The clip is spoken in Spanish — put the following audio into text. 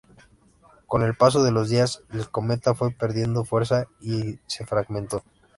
Con el paso de los días el cometa fue perdiendo fuerza y se fragmentó.